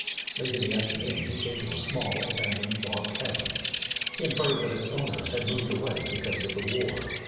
Late in the afternoon he came to a small, abandoned log cabin. He inferred that its owner had moved away because of the war.